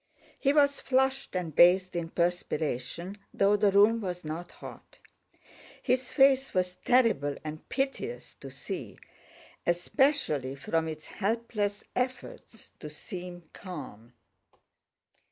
He was flushed and bathed in perspiration, though the room was not hot. His face was terrible and piteous to see, especially from its helpless efforts to seem calm.